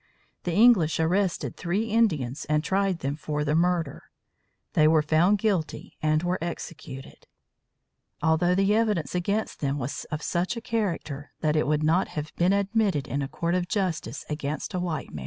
The English arrested three Indians and tried them for the murder. They were found guilty and were executed, although the evidence against them was of such a character that it would not have been admitted in a court of justice against a white man.